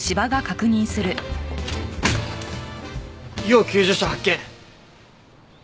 要救助者発見！